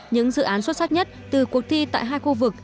những dự án xuất sắc nhất từ cuộc thi tại hai khu vực